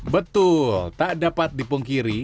betul tak dapat dipungkiri